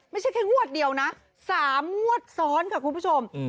ไม่ใช่แค่งวดเดียวนะ๓งวดซ้อนค่ะคุณผู้ชม